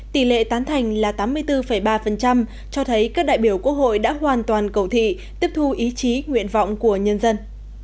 tỷ lệ tán thành là tám mươi bốn ba cho thấy các đại biểu quốc hội đã hoàn toàn cầu thị tiếp thu ý chí nguyện vọng của nhân dân